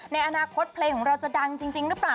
ในอนาคตเพลงของเราจะดังจริงหรือเปล่า